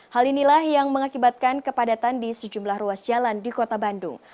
hal inilah yang mengakibatkan kepadatan di sejumlah ruas jalan di kota bandung